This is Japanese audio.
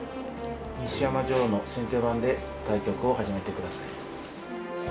西山女王の先手番で対局を始めてください。